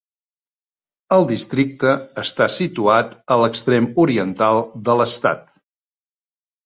El districte està situat a l'extrem oriental de l'estat.